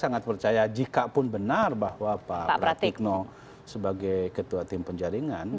dan sebenarnya benar bahwa pak pratikno sebagai ketua tim penjaringan